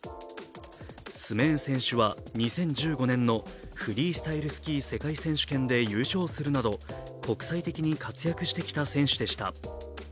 スメーン選手は２０１５年のフリースタイルスキー世界選手権で優勝するなど国際的に活躍してきた選手でした。